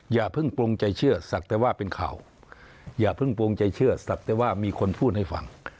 อย่าเพิ่งปลงใจเชื่อสักแต่ว่าเป็นข่าวอย่าเพิ่งโปรงใจเชื่อสับแต่ว่ามีคนพูดให้ฟัง